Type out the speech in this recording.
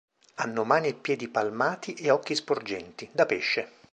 Hanno mani e piedi palmati e occhi sporgenti, da pesce.